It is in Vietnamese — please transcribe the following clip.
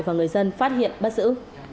và người dân phát hiện bắt giữ